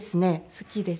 好きです。